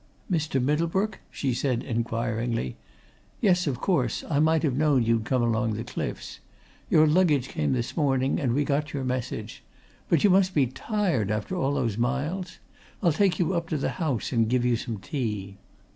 "Mr. Middlebrook?" she said inquiringly. "Yes, of course I might have known you'd come along the cliffs. Your luggage came this morning, and we got your message. But you must be tired after all those miles? I'll take you up to the house and give you some tea."